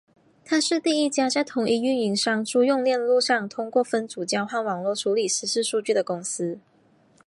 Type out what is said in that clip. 她是第一家在同一运营商租用链路上通过分组交换网络处理实时数据的公司。